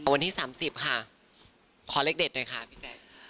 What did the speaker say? วันที่๓๐ค่ะขอเลขเด็ดหน่อยค่ะพี่แจ๊ค